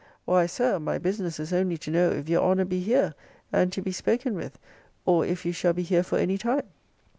Why, Sir, my business is only to know if your honour be here, and to be spoken with; or if you shall be here for any time?